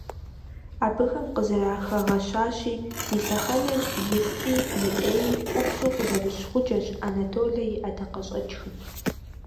Абыхэм къызэрыхагъэщащи, «ди лъэхъэнэм и фӀи и Ӏеи ӀупщӀу къызэрыщ гъуджэщ Анатолэ и ӀэдакъэщӀэкӀхэр».